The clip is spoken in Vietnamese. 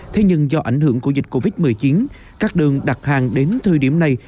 thế nhưng do ảnh hưởng của dịch covid một mươi chín các đường đặt hàng đến thời điểm này